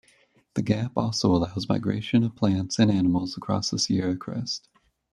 The gap also allows migration of plants and animals across the Sierra Crest.